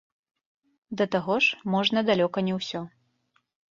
Да таго ж, можна далёка не ўсе.